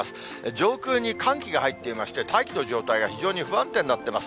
上空に寒気が入っていまして、大気の状態が非常に不安定になってます。